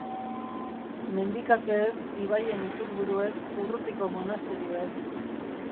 Mendikateez, ibaien iturburuez, urrutiko monasterioez.